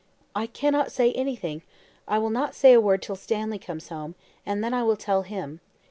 "I cannot say anything I will not say a word till Stanley comes home, and then I will tell him.